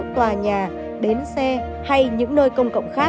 tòa nhà bến xe hay những nơi công cộng khác